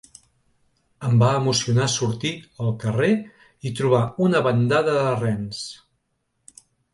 Em va emocionar sortir al carrer i trobar una bandada de rens.